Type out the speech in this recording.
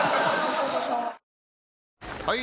・はい！